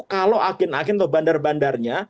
kalau agen agen atau bandar bandarnya